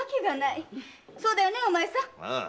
そうだよねお前さん？ああ。